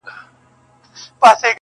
گراني ددې وطن په ورځ كي توره شپـه راځي~